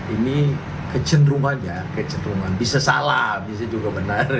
ini kecenderungannya kecenderungan bisa salah bisa juga benar